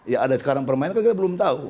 ya ada sekarang permainan kan kita belum tahu